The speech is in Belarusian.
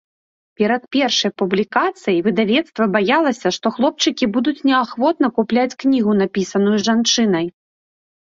Перад першай публікацыяй выдавецтва баялася, што хлопчыкі будуць неахвотна купляць кнігу, напісаную жанчынай.